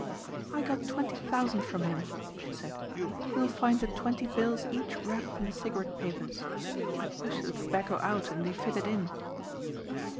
"I got twenty thousand from him," she said. "You will find the twenty bills each wrapped in the cigarette papers. I pushed the tobacco out and they fitted in."